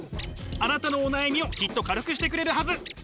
あなたのお悩みをきっと軽くしてくれるはず。